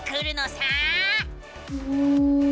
うん。